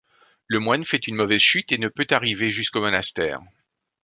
Le moine fait une mauvaise chute et ne peut arriver jusqu'au monastère.